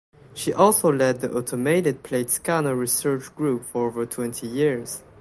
She also led the Automated Plate Scanner research group for over twenty years.